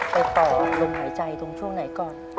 ไปต่อลมหายใจตรงช่วงไหนก่อน